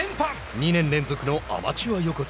２年連続のアマチュア横綱。